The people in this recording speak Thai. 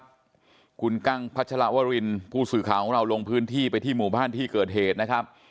ครับคุณกั้งพัชรวรินผู้สื่อข่าวของเราลงพื้นที่ไปที่หมู่บ้านที่เกิดเหตุนะครับ